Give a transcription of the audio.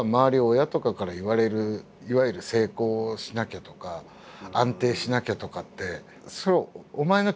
親とかから言われるいわゆる「成功しなきゃ」とか「安定しなきゃ」とかってそれはお前の気持ちじゃねえの？